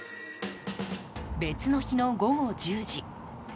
別の日の午後１０時。